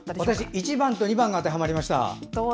１番と２番が当てはまりました。